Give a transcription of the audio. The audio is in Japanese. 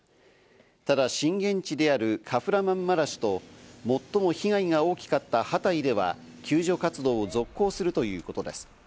ただ震源地であるカフラマンマラシュと最も被害が大きかったハタイでは救助活動を続行するということです。